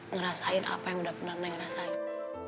ngerasain apa yang udah pernah ngerasainnya neng